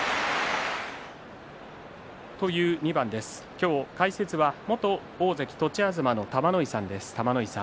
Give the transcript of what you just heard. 今日、解説は元大関栃東の玉ノ井さんです。